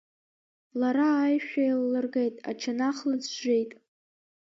Лара аишәа еиллыргеит, ачанах лыӡәӡәеит.